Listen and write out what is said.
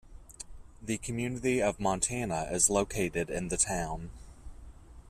The community of Montana is located in the town.